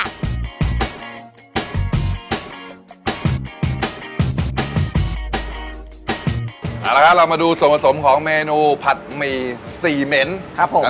เอาละค่ะเรามาดูสมสมของเมนูผัดมีเซเมนต์